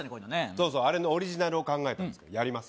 そうそうあれのオリジナルを考えたんですけどやります？